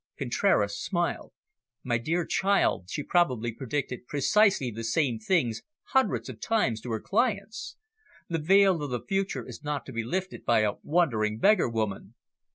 Contraras smiled. "My dear child, she probably predicted precisely the same things hundreds of times to her clients. The veil of the future is not to be lifted by a wandering beggar woman."